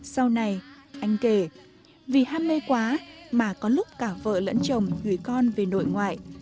sau này anh kể vì ham mê quá mà có lúc cả vợ lẫn chồng gửi con về nội ngoại